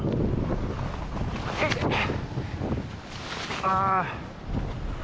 ああ。